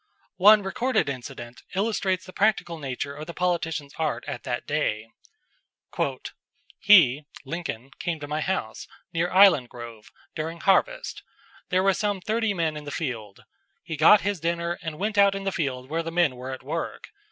One recorded incident illustrates the practical nature of the politician's art at that day: "He [Lincoln] came to my house, near Island Grove, during harvest. There were some thirty men in the field. He got his dinner and went out in the field where the men were at work.